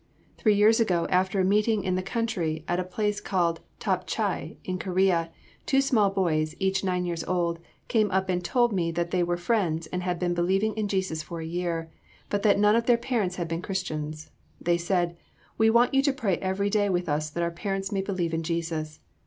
Three years ago, after a meeting in the country at a place called Top Chai, in Korea, two small boys, each nine years old, came up and told me that they were friends and had been believing in Jesus for a year, but that none of their parents had been Christians. They said, "We want you to pray every day with us that our parents may believe in Jesus."